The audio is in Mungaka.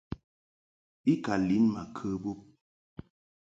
I ka lin ma kə bub.